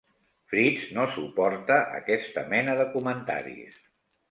Fritz no suporta aquesta mena de comentaris.